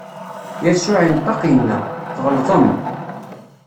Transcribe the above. Yasuɛ inṭeq, inna: Tɣelḍem!